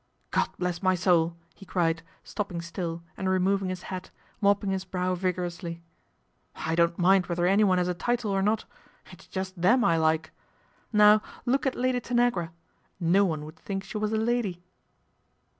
God bless my soul !" he cried, stopping still d removing his hat, mopping his brow vigor y. " I don't mind whether anyone has a title r not. It's just them I like. Now look at Lady anagra. No one would think she was a lady."